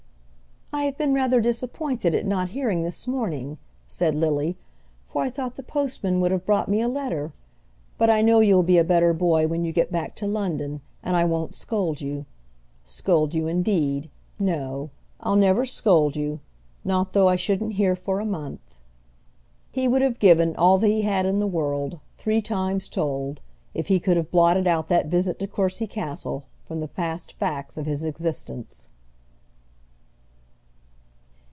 "I have been rather disappointed at not hearing this morning," said Lily, "for I thought the postman would have brought me a letter. But I know you'll be a better boy when you get back to London, and I won't scold you. Scold you, indeed! No; I'll never scold you, not though I shouldn't hear for a month." He would have given all that he had in the world, three times told, if he could have blotted out that visit to Courcy Castle from the past facts of his existence.